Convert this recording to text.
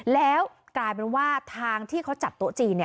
แล้วกลายเป็นว่าทางที่เขาจัดโต๊ะจีน